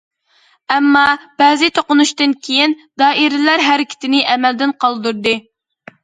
ئەمما بەزى توقۇنۇشتىن كېيىن، دائىرىلەر ھەرىكىتىنى ئەمەلدىن قالدۇردى.